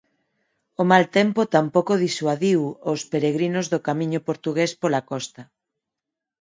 O mal tempo tampouco disuadiu os peregrinos do Camiño Portugués pola costa.